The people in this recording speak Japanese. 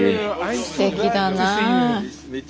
すてきだな。